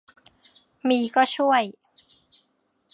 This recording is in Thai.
มีก็ช่วย